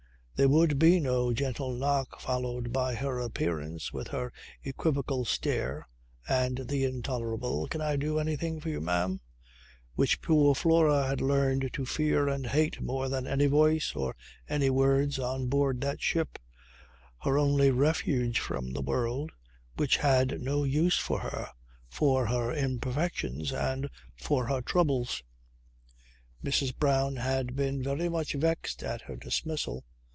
There would be no gentle knock, followed by her appearance with her equivocal stare and the intolerable: "Can I do anything for you, ma'am?" which poor Flora had learned to fear and hate more than any voice or any words on board that ship her only refuge from the world which had no use for her, for her imperfections and for her troubles. Mrs. Brown had been very much vexed at her dismissal.